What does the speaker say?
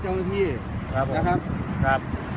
เจ้าที่นะครับครับ